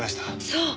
そう！